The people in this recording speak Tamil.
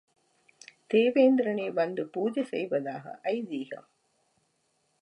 தேவேந்திரனே வந்து பூஜை செய்வதாக ஐதீகம்.